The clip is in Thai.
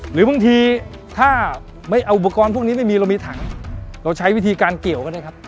หรือบางทีถ้าไม่เอาอุปกรณ์พวกนี้ไม่มีเรามีถังเราใช้วิธีการเกี่ยวก็ได้ครับ